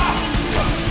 gak ada masalah